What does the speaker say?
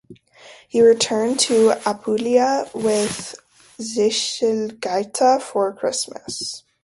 He returned to Apulia with Sichelgaita for Christmas.